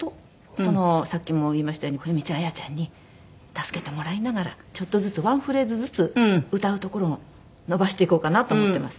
そのさっきも言いましたように冬美ちゃんやあやちゃんに助けてもらいながらちょっとずつワンフレーズずつ歌うところを延ばしていこうかなと思ってます。